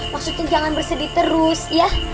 maksudnya jangan bersedih terus ya